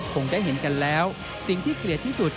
คงได้เห็นกันแล้วสิ่งที่เกลียดที่สุด